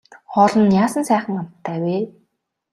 Хоол нь яасан сайхан амттай вэ.